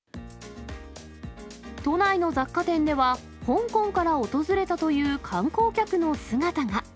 都内の雑貨店では、香港から訪れたという観光客の姿が。